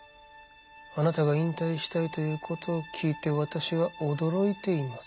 あなたが引退したいということを聞いて私は驚いています。